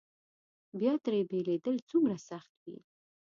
بیا ترې بېلېدل څومره سخت وي.